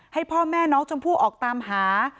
ให้พ่อแม่น้องชมพู่ออกตามหา